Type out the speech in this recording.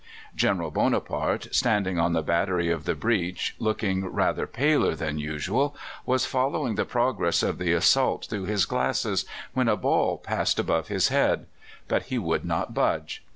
General Bonaparte, standing on the battery of the breach, looking rather paler than usual, was following the progress of the assault through his glass, when a ball passed above his head; but he would not budge.